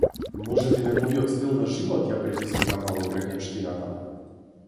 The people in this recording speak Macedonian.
Можеби неговиот стил на живот ја предизвика малограѓанштината?